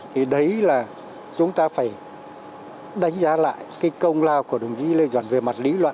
thì đấy là chúng ta phải đánh giá lại cái công lao của đồng chí lê duẩn về mặt lý luận